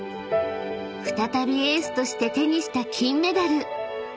［再びエースとして手にした金メダル］